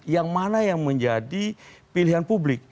yang mana yang menjadi pilihan publik